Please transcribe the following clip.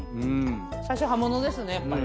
最初葉物ですねやっぱり。